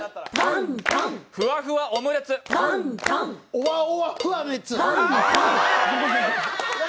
おわおわふわめつ。